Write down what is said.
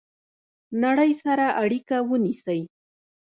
نړۍ سره اړیکه ونیسئ